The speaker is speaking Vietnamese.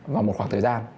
vào một khoảng thời gian